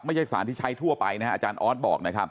ไม่ใช่สารที่ใช้ทั่วไปนะฮะอาจารย์ออสบอกนะครับ